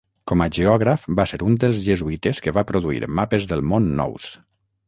Com a geògraf va ser un dels jesuïtes que va produir mapes del món nous.